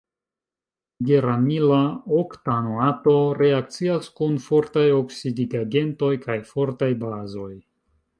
Geranila oktanoato reakcias kun fortaj oksidigagentoj kaj fortaj bazoj.